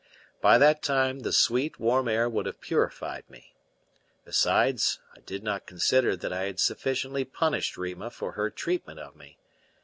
By that time the sweet, warm air would have purified me. Besides, I did not consider that I had sufficiently punished Rima for her treatment of me.